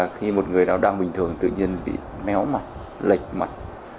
khi một người nào đang bình thường tự nhiên bị méo mặt lệch mặt